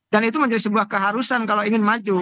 dan itu menjadi sebuah keharusan kalau ingin maju